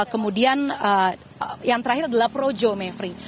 kemudian yang terakhir adalah projo mevri